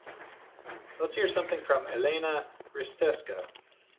Let's hear something from Elena Risteska